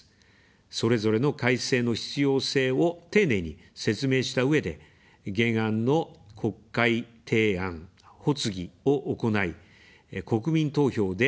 それぞれの改正の必要性を丁寧に説明したうえで、原案の国会提案・発議を行い、国民投票で判断を仰ぎます。